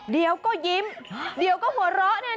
เดี๋ยวก็ยิ้มเดี๋ยวก็หัวเราะ